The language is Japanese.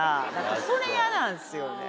それ嫌なんですよね。